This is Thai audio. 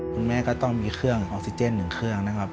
คุณแม่ก็ต้องมีเครื่องออกซิเจน๑เครื่องนะครับ